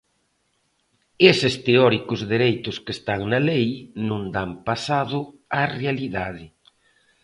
Eses teóricos dereitos que están na lei non dan pasado á realidade.